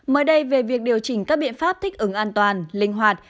mới đây về việc điều chỉnh các biện pháp thích ứng an toàn linh hoạt